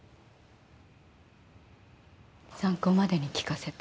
参考までに聞かせて。